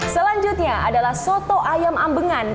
selanjutnya adalah soto ayam ambengan